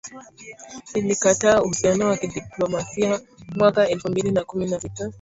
ilikata uhusiano wa kidiplomasia mwaka elfu mbili na kumi na sita